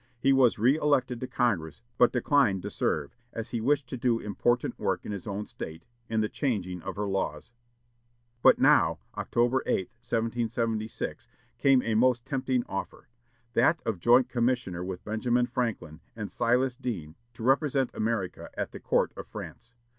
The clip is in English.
He was reëlected to Congress, but declined to serve, as he wished to do important work in his own State, in the changing of her laws. But now, October 8, 1776, came a most tempting offer; that of joint commissioner with Benjamin Franklin and Silas Deane to represent America at the court of France.